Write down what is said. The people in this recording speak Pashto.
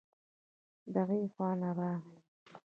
دغې خوا نه راغی